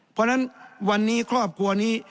เพราะฉะนั้นวันนี้ครอบครัวนี้